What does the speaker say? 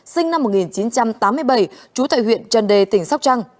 sinh năm một nghìn chín trăm tám mươi bảy trú tại huyện trần đề tỉnh sóc trăng